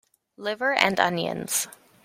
Liver and onions.